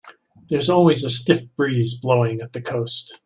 There's always a stiff breeze blowing at the coast.